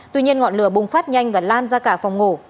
tuy nhiên ngọn lửa bùng phát nhanh và lan ra cả phòng ngủ